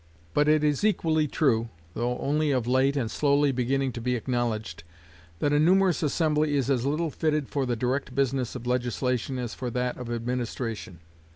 But it is equally true, though only of late and slowly beginning to be acknowledged, that a numerous assembly is as little fitted for the direct business of legislation as for that of administration.